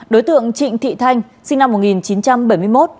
đối tượng trịnh thị thanh sinh năm một nghìn chín trăm bảy mươi một